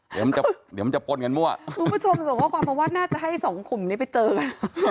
เดี๋ยวมันจะมันจะปลดเงินมั่วคุณผู้ชมสมมติว่าความประวัติน่าจะให้สองขุมนี้ไปเจอกัน